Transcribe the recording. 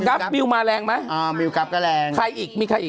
กรัฟมิลมาแรงไหมใครอีกมีใครอีก